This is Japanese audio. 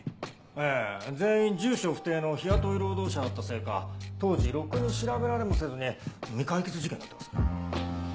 ええ全員住所不定の日雇い労働者だったせいか当時ろくに調べられもせずに未解決事件になってます。